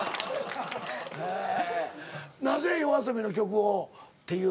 なぜＹＯＡＳＯＢＩの曲を？っていう。